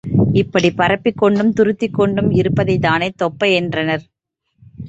இப்படி பரப்பிக் கொண்டும், துருத்திக் கொண்டும் இருப்பதைத்தானே தொப்பை என்றனர்.